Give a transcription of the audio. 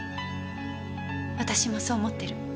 私もそう思ってる。